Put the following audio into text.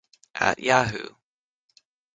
At Yahoo!